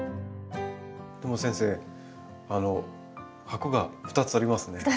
先生あの箱が２つありますね。